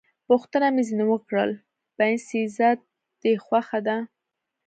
پوښتنه مې ځنې وکړل: باینسېزا دې خوښه ده؟